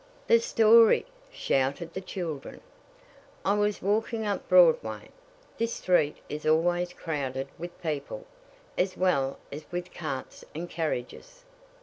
"The story!" shouted the children. "I was walking up Broadway. This street is always crowded with people, as well as with carts and carriages."